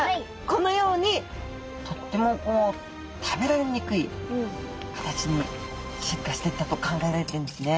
このようにとってもこう食べられにくい形に進化していったと考えられているんですね。